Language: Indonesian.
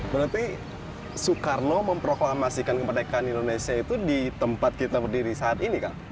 berarti soekarno memproklamasikan kemerdekaan indonesia itu di tempat kita berdiri saat ini kang